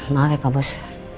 maaf ya pak bos